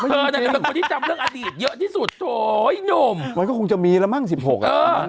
มาคนที่จำเรื่องอดีตเยอะที่สุดโถยล่มเว้ยก็คงจะมีแล้วมั่งสิบหก